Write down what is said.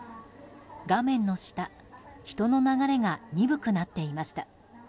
画面の下、人の流れが鈍くなっていました。